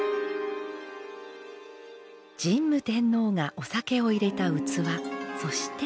神武天皇がお酒を入れた器そして鮎。